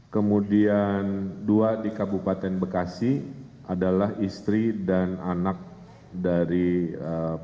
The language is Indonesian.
kemudian dua di kabupaten bekasi adalah istri dan anak dari keluarga